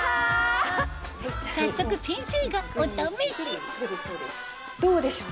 早速先生がお試しどうでしょう？